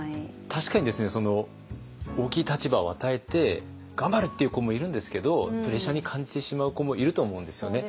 確かにですね大きい立場を与えて頑張るっていう子もいるんですけどプレッシャーに感じてしまう子もいると思うんですよね。